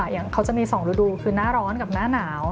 อย่างเขาจะมี๒ฤดูคือหน้าร้อนกับหน้าหนาว